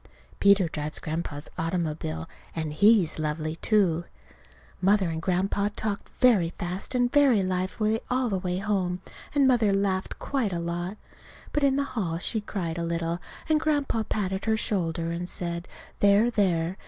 (Peter drives Grandpa's automobile, and he's lovely, too.) Mother and Grandpa talked very fast and very lively all the way home, and Mother laughed quite a lot. But in the hall she cried a little, and Grandpa patted her shoulder, and said, "There, there!"